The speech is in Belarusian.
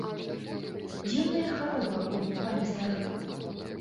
Дзіўная хвароба ў пані старой.